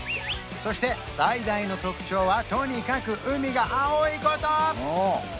そして最大の特徴はとにかく海が青いこと！